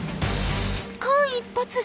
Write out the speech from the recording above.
間一髪。